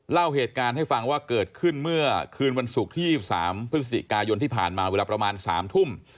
เล่าเหตุการณ์ให้ฟังว่าเกิดขึ้นเมื่อคืนวันศุกร์ที่๒๓พฤศจิกายนที่ผ่านมาเวลาประมาณ๓ทุ่ม